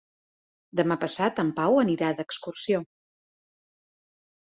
Demà passat en Pau anirà d'excursió.